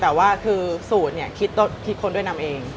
แต่ว่าคือสูตรเนี่ยคิดค้นด้วยนำเอง